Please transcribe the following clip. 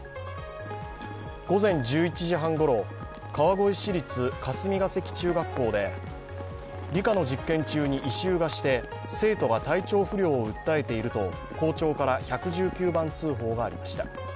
午前１１時半ごろ、川越市立霞ケ関中学校で理科の実験中に異臭がして生徒が体調不良を訴えていると校長から１１９番通報がありました。